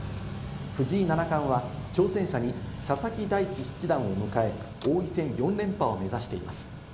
藤井七冠は挑戦者に佐々木大地七段を迎え、王位戦４連覇を目指しています。